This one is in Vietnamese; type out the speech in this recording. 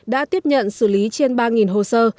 đã tiếp nhận xử lý trên ba hồ sơ